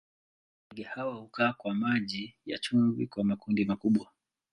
Ndege hawa hukaa kwa maji ya chumvi kwa makundi makubwa.